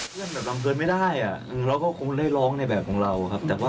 พี่โตน่ะก็มาร้องอย่างนี้ร้องในภาษาที่แบบ